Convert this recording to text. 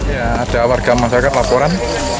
ya ada warga masyarakat laporan